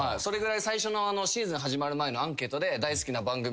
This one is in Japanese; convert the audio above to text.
それぐらい最初のシーズン始まる前のアンケートで。